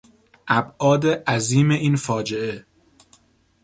ابعاد عظیم این فاجعه